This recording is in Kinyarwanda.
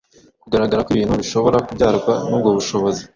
kugaragara kw’ibintu bishobora kubyarwa nubwo bushobozi.